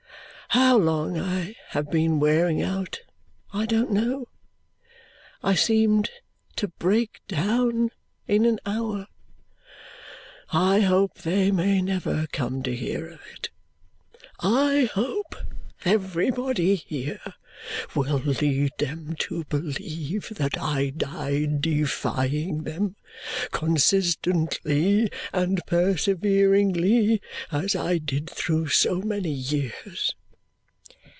How long I have been wearing out, I don't know; I seemed to break down in an hour. I hope they may never come to hear of it. I hope everybody here will lead them to believe that I died defying them, consistently and perseveringly, as I did through so many years."